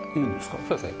そうですね。